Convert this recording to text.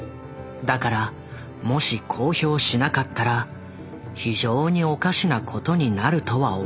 だからもし公表しなかったら非常におかしなことになるとは思った。